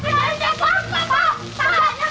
tandanya papa tandanya